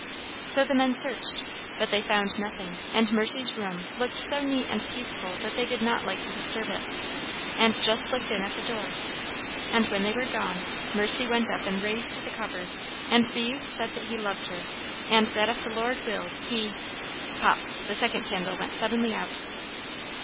"So the men searched, but they found nothing, and Mercy's room looked so neat and peaceful that they did not like to disturb it, and just looked in at the door. And when they were gone, Mercy went up and raised the cover, and the youth said that he loved her, and that if the Lord willed, he " Pop! The second candle went suddenly out.